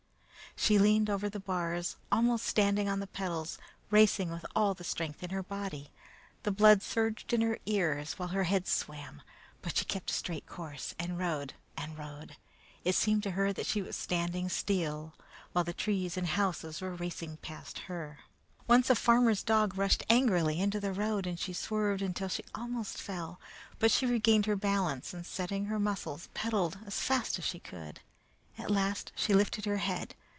She leaned over the bars, almost standing on the pedals, racing with all the strength in her body. The blood surged in her ears while her head swam, but she kept a straight course, and rode and rode. It seemed to her that she was standing still, while the trees and houses were racing past her. Once a farmer's big dog rushed angrily into the road and she swerved until she almost fell, but she regained her balance, and setting her muscles, pedaled as fast as she could. At last she lifted her head.